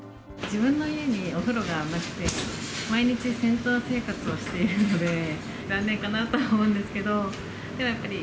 自分の家にお風呂がなくて、毎日、銭湯生活をしているので、残念かなとは思うんですけど、でもやっぱり、